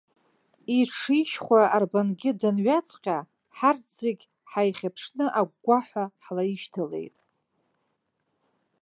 Иҽ ишьхәа арбангьы данҩаҵҟьа, ҳарҭ зегь ҳаихьыԥшны агәгәаҳәа ҳлаишьҭалеит.